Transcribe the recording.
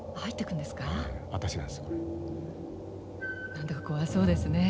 何だか怖そうですね。